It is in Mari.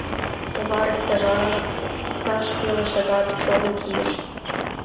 Товар иктаж пел шагат чоло кийыш.